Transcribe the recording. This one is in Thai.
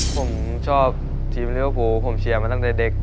ผมชอบทีมลิเวอร์ฟูผมเชียร์มาตั้งแต่เด็ก